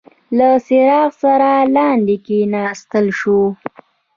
له څراغ سره لاندي کښته شو.